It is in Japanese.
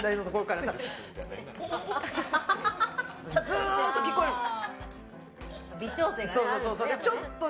ずっと聞こえるの。